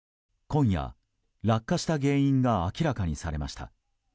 今夜、落下した原因が明らかにされました。